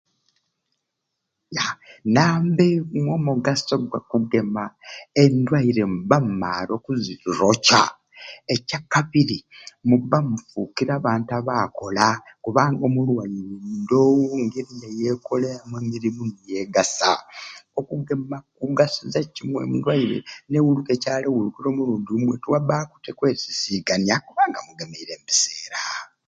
Na namba emwei omugaso gwa kugema endwaire mubba mumaare okuzitorooca ekyakabiri mubba mufuukire abantu abaakola kubanga omulwaire ndoowo ngeri giyekoleramu mirimu gyegasa okugema kugasiza kimwe endwaire newuluka ekyali ewulukire omulundi gumwe tiwabbaawo te kwesisiigania kubanga mugemeire mu biseera.